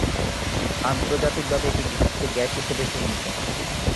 আন্তর্জাতিকভাবে এটি বিষাক্ত গ্যাস হিসেবে চিহ্নিত।